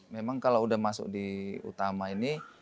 memang kalau sudah masuk di utama ini